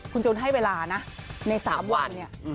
คุณจุนให้เวลานะใน๓วันเนี่ย